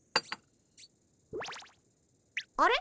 あれ？